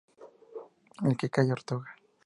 El que calla, otorga